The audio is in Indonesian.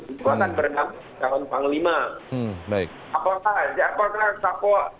itu akan bernama calon panglima